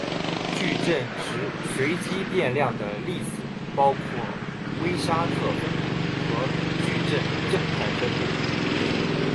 矩阵值随机变量的例子包括威沙特分布和矩阵正态分布。